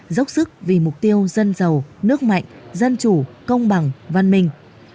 dốc sức vì mục tiêu dân giàu nước mạnh dân chủ công bằng văn minh